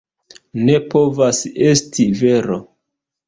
Ne povas esti vero!